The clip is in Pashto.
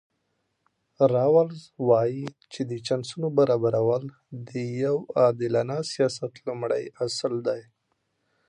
راولز وایي چې د چانسونو برابرول د یو عادلانه سیاست لومړی اصل دی.